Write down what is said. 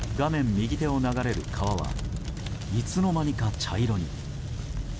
右手を流れる川はいつの間にか茶色に。